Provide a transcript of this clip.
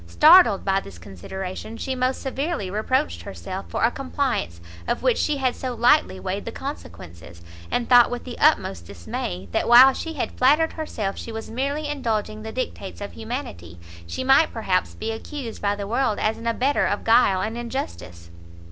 Startled by this consideration, she most severely reproached herself for a compliance of which she had so lightly weighed the consequences, and thought with the utmost dismay, that while she had flattered herself she was merely indulging the dictates of humanity, she might perhaps be accused by the world as an abettor of guile and injustice.